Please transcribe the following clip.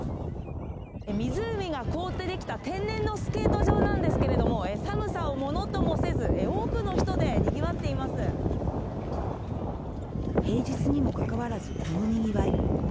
湖が凍って出来た天然のスケート場なんですけれども、寒さをものともせず、多くの人でにぎわ平日にもかかわらず、このにぎわい。